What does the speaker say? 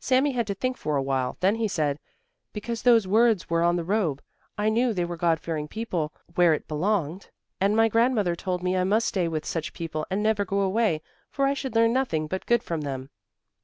Sami had to think for a while, then he said: "Because those words were on the robe, I knew they were God fearing people where it belonged, and my grandmother told me I must stay with such people and never go away, for I should learn nothing but good from them."